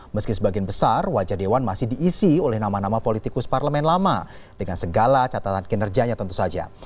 meski sebagian besar wajah dewan masih diisi oleh nama nama politikus parlemen lama dengan segala catatan kinerjanya tentu saja